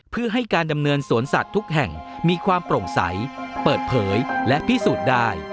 เพื่อให้การดำเนินสวนสัตว์ทุกแห่งมีความโปร่งใสเปิดเผยและพิสูจน์ได้